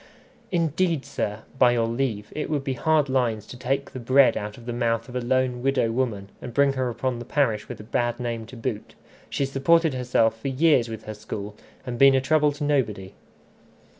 "Indeed, sir, by your leave, it would be hard lines to take the bread out of the mouth of a lone widow woman, and bring her upon the parish with a bad name to boot. She's supported herself for years with her school, and been a trouble to nobody."